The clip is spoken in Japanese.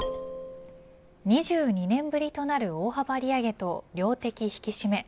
２２年ぶりとなる大幅利上げと量的引き締め。